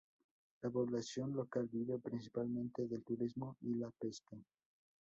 La población local vive principalmente del turismo y la pesca.